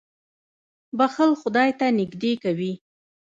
• بښل خدای ته نېږدې کوي.